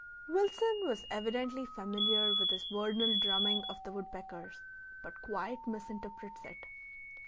Wilson was evidently familiar with this vernal drumming of the woodpeckers, but quite misinterprets it.